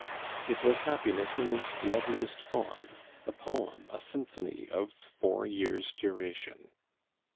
It was happiness in its loveliest form, a poem, a symphony, of four years' duration.